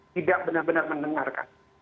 tidak benar benar mendengarkan